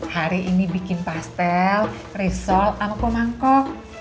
hari ini bikin pastel risol angkuh mangkuk